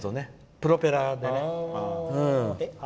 プロペラでね。